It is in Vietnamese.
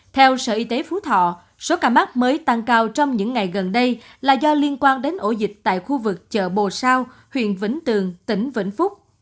theo sở y tế phú thọ số ca mắc mới tăng cao trong những ngày gần đây là do liên quan đến ổ dịch tại khu vực chợ bồ sao huyện vĩnh tường tỉnh vĩnh phúc